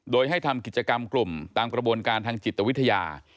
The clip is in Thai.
โดยให้ทำกิจกรรมกลุ่มตามกระบวนการทางจิตวิทยา